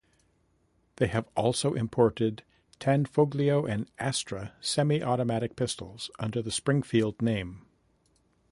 They have also imported Tanfoglio and Astra semi-automatic pistols under the Springfield name.